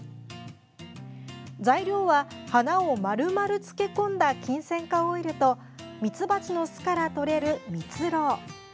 材料は花を丸々漬け込んだキンセンカオイルとミツバチの巣からとれるミツロウ。